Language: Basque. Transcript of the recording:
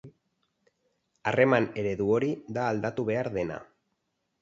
Harreman eredu hori da aldatu behar dena.